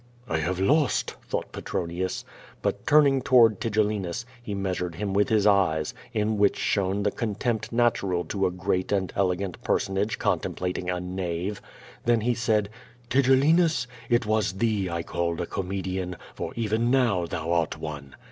"I have lost!" thought Petronius. But, turning toward Tigellinus, he measured him with his eyes, in which shone the contempt natural to a great and elegant personage con templating a knave. Then he said: "Tigellinus, it was thee I called a comedian, for even now thou art one."